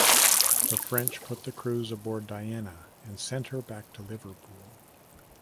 The French put the crews aboard "Diana" and sent her back to Liverpool.